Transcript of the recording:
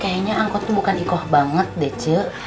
kayaknya angkot tuh bukan ikoh banget deh ce